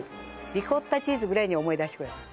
リコッタチーズぐらいに思い出してください。